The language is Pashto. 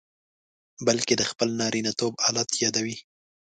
بلکې د خپل نارینتوب آلت یادوي.